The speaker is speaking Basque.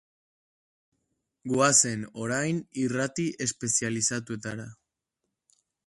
Goazen orain irrati espezializatuetara.